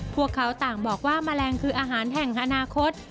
พวกเขาต่างบอกว่าแมลงคืออาหารแห่งอนาคต